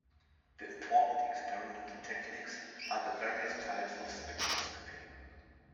The important experimental techniques are the various types of spectroscopy.